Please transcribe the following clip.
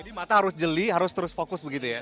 jadi mata harus jeli harus terus fokus begitu ya